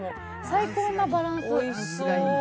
最高なバランス。